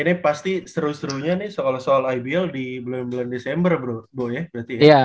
ini pasti seru serunya nih soal soal ibl di bulan bulan desember bro bu ya berarti ya